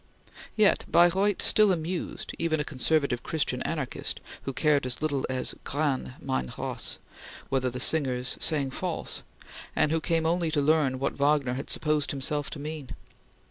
Yet Baireuth still amused even a conservative Christian anarchist who cared as little as "Grane, mein Ross," whether the singers sang false, and who came only to learn what Wagner had supposed himself to mean.